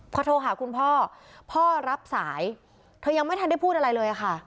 พอโทรหาคุณพ่อพ่อรับสายเธอยังไม่ทันได้พูดอะไรเลยค่ะ